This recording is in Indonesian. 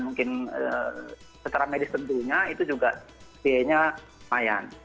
mungkin secara medis tentunya itu juga biayanya lumayan